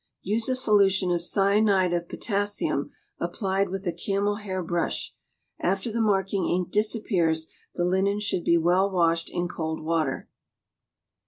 Use a solution of cyanide of potassium applied with a camel hair brush. After the marking ink disappears, the linen should be well washed in cold water.